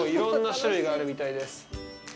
いろんな種類があるみたいです。